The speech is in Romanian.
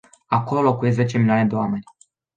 Acolo locuiesc zece milioane de oameni.